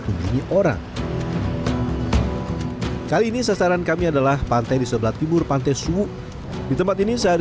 hubungi orang kali ini sasaran kami adalah pantai di sebelah timur pantai suwuk di tempat ini sehari